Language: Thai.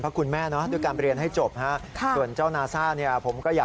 เป็นเหง่อยไปเลยนะครับอ๋อคือ